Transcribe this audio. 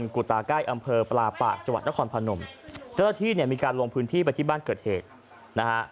กุตาใกล้อำเภอปลาปากจังหวัดนครพนมเจ้าหน้าที่เนี่ยมีการลงพื้นที่ไปที่บ้านเกิดเหตุนะฮะ